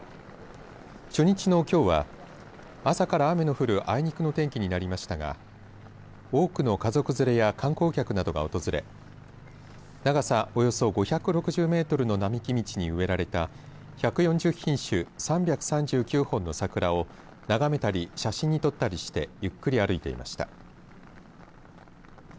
初日のきょうは朝から雨の降るあいにくの天気になりましたが多くの家族連れや観光客などが訪れ長さおよそ５６０メートルの並木道に植えられた１４０品種３３９本の桜を眺めたり写真に撮ったりしてゆっくり歩いていました。